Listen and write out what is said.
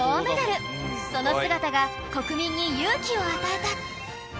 その姿が国民に勇気を与えた